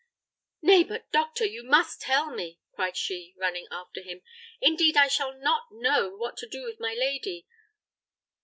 "Nay, but, doctor, you must tell me!" cried she, running after him. "Indeed, I shall not know what to do with my lady."